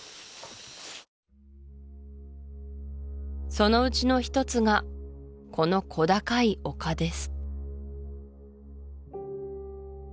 そのうちの一つがこの小高い丘です